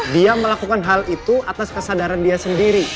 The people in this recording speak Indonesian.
dia melakukan hal itu atas kesadaran dia sendiri